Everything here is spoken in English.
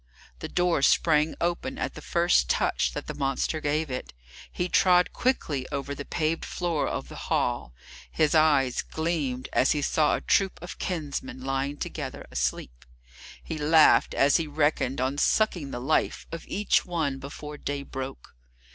The door sprang open at the first touch that the monster gave it. He trod quickly over the paved floor of the hall; his eyes gleamed as he saw a troop of kinsmen lying together asleep. He laughed as he reckoned on sucking the life of each one before day broke.